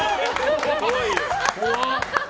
怖っ！